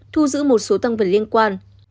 thu giữ một số tăng vật liên quan